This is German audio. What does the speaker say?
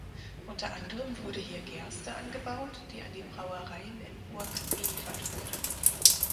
Unter anderem wurde hier Gerste angebaut, die an die Brauereien in Burg geliefert wurde.